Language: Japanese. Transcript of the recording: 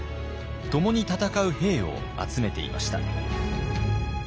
共に戦う兵を集めていました。